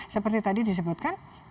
seperti tadi disebutkan